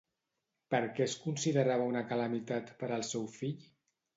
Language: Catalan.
Per què es considerava una calamitat per al seu fill?